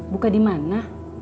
buka di mana